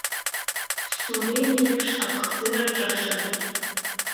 Сурен иеиԥш аԥхӡы рҿашы.